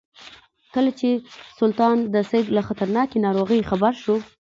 کله چې سلطان د سید له خطرناکې ناروغۍ خبر شو.